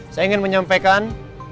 saya ingin menyampaikan